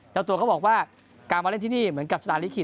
เจ้าตัวก็บอกว่าการมาเล่นที่นี่เหมือนกับสตาร์ลิขิต